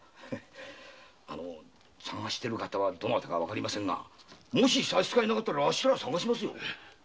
捜している方はどなたかわかりませんがもしさしつかえなかったらあっしらが捜しますよ。